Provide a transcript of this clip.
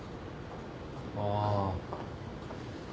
ああ。